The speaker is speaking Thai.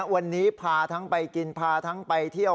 วันนี้พาทั้งไปกินพาทั้งไปเที่ยว